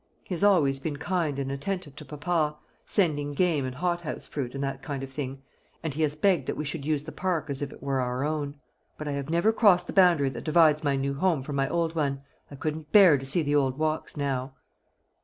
"He has always been kind and attentive to papa, sending game and hothouse fruit, and that kind of thing; and he has begged that we would use the park as if it were our own; but I have never crossed the boundary that divides my new home from my old one. I couldn't bear to see the old walks now."